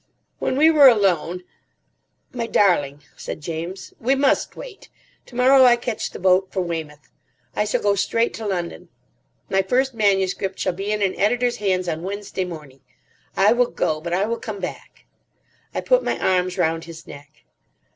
When we were alone, "My darling," said James, "we must wait. Tomorrow I catch the boat for Weymouth. I shall go straight to London. My first manuscript shall be in an editor's hands on Wednesday morning. I will go, but I will come back." I put my arms round his neck.